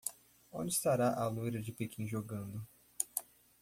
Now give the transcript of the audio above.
Onde estará a loira de Pequim jogando